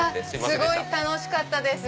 すごい楽しかったです。